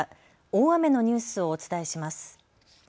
大雨のニュースをお伝えします。